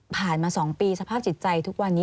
ผ่านมาสองปีสภาพจิตใจทุกวันนี้